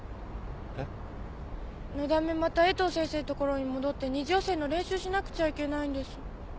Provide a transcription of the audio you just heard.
えっ？のだめまた江藤先生のところに戻って二次予選の練習しなくちゃいけないんです。